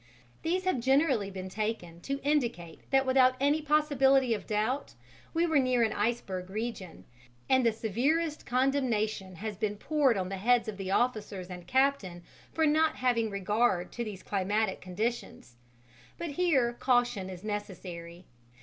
These have generally been taken to indicate that without any possibility of doubt we were near an iceberg region, and the severest condemnation has been poured on the heads of the officers and captain for not having regard to these climatic conditions; but here caution is necessary.